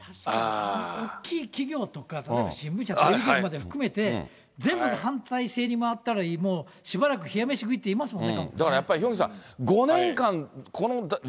大きい企業とか、例えば新聞社、テレビ局まで含めて、全部が反対に回ったら、もうしばらく冷や飯食いって言いますもんね。